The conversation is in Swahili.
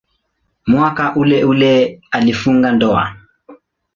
Mwaka uleule alifunga ndoa.